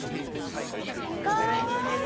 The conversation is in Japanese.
これに入れるんだ。